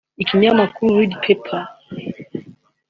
Ikinyamakuru Red pepper